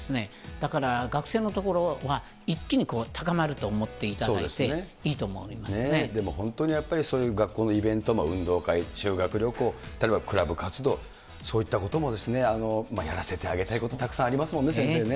だから、学生のところは一気に高まると思っていただいていいと思でも本当に、やっぱり学校のイベントも、運動会、修学旅行、例えばクラブ活動、そういったことも、やらせてあげたいことたくさんありますもんね、先生ね。